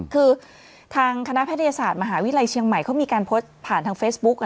คือทางคณะแพทยศาสตร์มหาวิทยาลัยเชียงใหม่เขามีการโพสต์ผ่านทางเฟซบุ๊ก